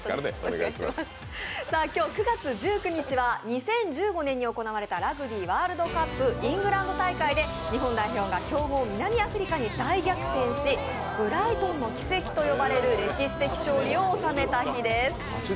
今日９月１９日には２０１５年に行われたラグビーワールドカップイングランド大会で日本代表が強豪・南アフリカに大逆転しブライトンの奇跡と呼ばれる歴史的勝利を収めた日です。